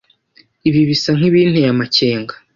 Ibi bisa nkinteye amakenga.